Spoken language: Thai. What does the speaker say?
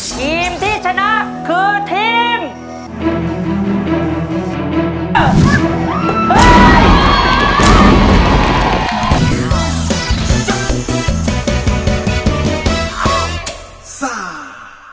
ทีมที่ชนะคือทีม